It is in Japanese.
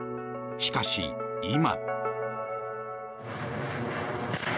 しかし、今。